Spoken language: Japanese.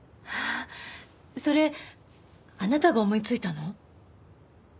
それあなたが思いついたの？